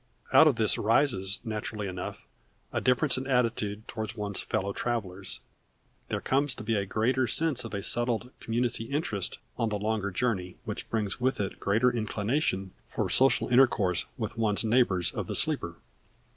Out of this rises, naturally enough, a difference in attitude toward one's fellow travelers. There comes to be a greater sense of a settled community interest on the longer journey, which brings with it greater inclination for social intercourse with one's neighbors of the sleeper.